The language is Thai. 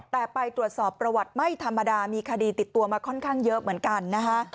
แต่ไปตรวจสอบประวัติไม่ธรรมดามีคดีติดตัวมาค่อนข้างเยอะเหมือนกันนะคะ